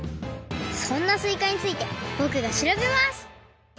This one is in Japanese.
そんなすいかについてぼくがしらべます！